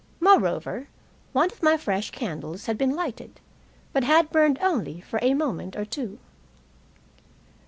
Moreover, one of my fresh candles had been lighted, but had burned for only a moment or two.